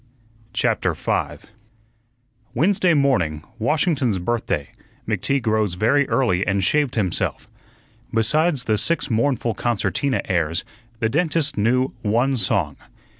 CHAPTER 5 Wednesday morning, Washington's Birthday, McTeague rose very early and shaved himself. Besides the six mournful concertina airs, the dentist knew one song.